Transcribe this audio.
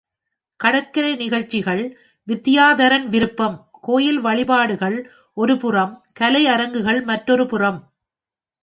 கடற்கரை நிகழ்ச்சிகள் வித்தியாதரன் விருப்பம் கோயில் வழிபாடுகள் ஒருபுறம் கலை அரங்குகள் மற்றொருபுறம்.